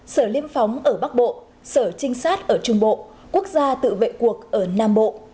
sở liêm phóng ở bắc bộ sở trinh sát ở trung bộ quốc gia tự vệ cuộc ở nam bộ